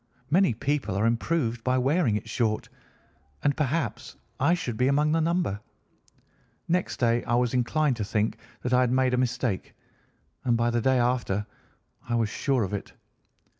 Many people are improved by wearing it short and perhaps I should be among the number. Next day I was inclined to think that I had made a mistake, and by the day after I was sure of it.